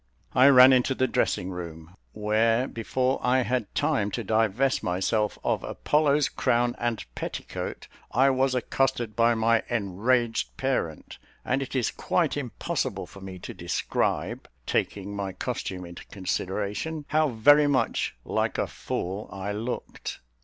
I ran into the dressing room, where, before I had time to divest myself of Apollo's crown and petticoat, I was accosted by my enraged parent, and it is quite impossible for me to describe (taking my costume into consideration) how very much like a fool I looked.